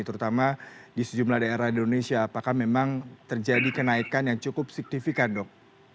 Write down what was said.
terutama di sejumlah daerah di indonesia apakah memang terjadi kenaikan yang cukup signifikan dok